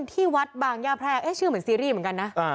ที่วัดบางย่าแพรกชื่อเหมือนซีรีส์เหมือนกันนะ